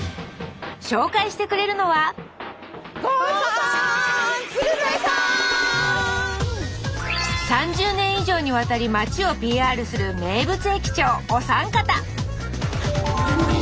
紹介してくれるのは３０年以上にわたり町をＰＲする名物駅長お三方